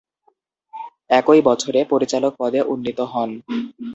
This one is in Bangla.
একই বছরে পরিচালক পদে উন্নীত হন।